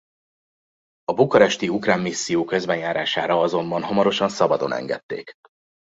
A bukaresti ukrán misszió közbenjárására azonban hamarosan szabadon engedték.